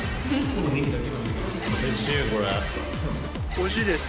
おいしいです。